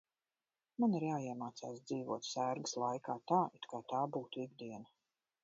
Man ir jāiemācās dzīvot sērgas laikā tā, it kā tā būtu ikdiena.